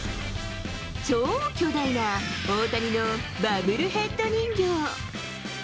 超巨大な大谷のバブルヘッド人形。